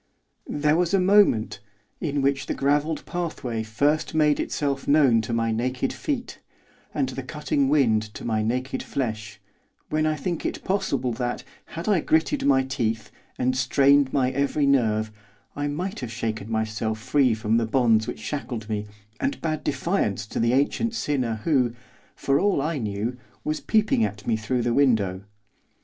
There was a moment, in which the gravelled pathway first made itself known to my naked feet, and the cutting wind to my naked flesh, when I think it possible that, had I gritted my teeth, and strained my every nerve, I might have shaken myself free from the bonds which shackled me, and bade defiance to the ancient sinner who, for all I knew, was peeping at me through the window.